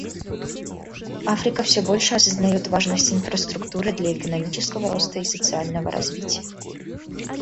Африка все больше осознает важность инфраструктуры для экономического роста и социального развития.